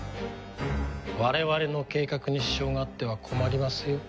我々の計画に支障があっては困りますよ。